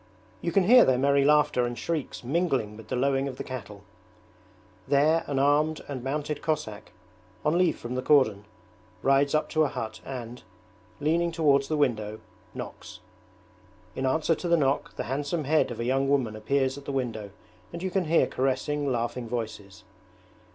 You can hear their merry laughter and shrieks mingling with the lowing of the cattle. There an armed and mounted Cossack, on leave from the cordon, rides up to a hut and, leaning towards the window, knocks. In answer to the knock the handsome head of a young woman appears at the window and you can hear caressing, laughing voices.